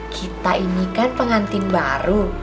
kita ini kan pengantin baru